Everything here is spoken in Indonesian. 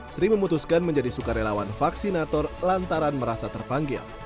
sri memutuskan menjadi sukarelawan vaksinator lantaran merasa terpanggil